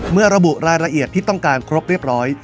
เมื่อระบุรายละเอียดที่ต้องการครบเรียบร้อย